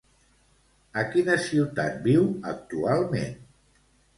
A quina ciutat viu actualment?